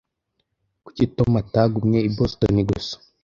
Kuki Tom atagumye i Boston gusa?